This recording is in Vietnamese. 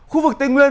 khu vực tây nguyên